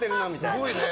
すごいね。